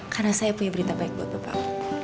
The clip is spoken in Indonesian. karena saya punya berita baik buat bapak